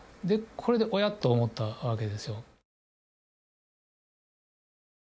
これでおやっと思ったわけですよ